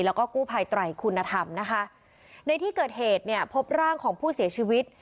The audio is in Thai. แล้วก็กู้ภัยไตรคุณธรรมนะคะในที่เกิดเหตุเนี่ยพบร่างของผู้เสียชีวิต